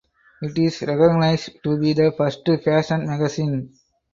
It is recognized to be the first fashion magazine.